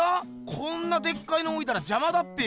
こんなでっかいのおいたらじゃまだっぺよ。